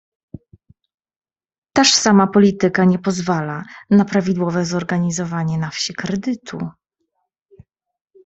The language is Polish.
"Taż sama polityka nie pozwala na prawidłowe zorganizowanie na wsi kredytu."